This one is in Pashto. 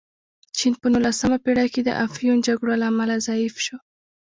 چین په نولسمه پېړۍ کې د افیون جګړو له امله ضعیف شو.